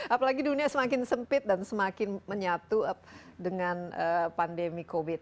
apalagi dunia semakin sempit dan semakin menyatu dengan pandemi covid